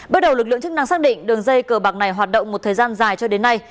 bước đầu lực lượng chức năng xác định đường dây cờ bạc này hoạt động một thời gian dài cho đến nay